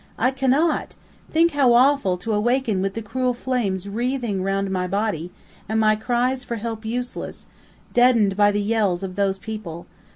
"I cannot! Think how awful to awaken with the cruel flames wreathing round my body, and my cries for help useless, deadened by the yells of those people.